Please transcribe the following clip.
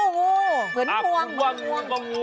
อะงูเหมือนทวงจริงคล้างหัว